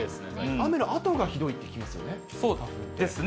雨のあとがひどいって聞きまそうですね。